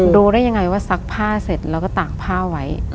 รู้ได้ยังไงว่าซักผ้าเสร็จแล้วก็ตากผ้าไว้